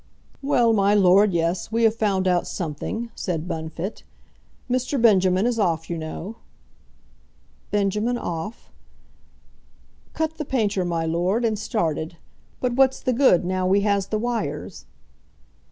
"Well, my lord; yes; we have found out something," said Bunfit. "Mr. Benjamin is off, you know." "Benjamin off?" "Cut the painter, my lord, and started. But what's the good, now we has the wires?"